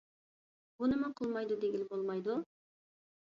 بۇنىمۇ قىلمايدۇ دېگىلى بولمايدۇ.